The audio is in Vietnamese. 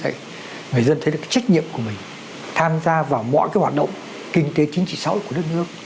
người dân thấy được trách nhiệm của mình tham gia vào mọi hoạt động kinh tế chính trị sở của đất nước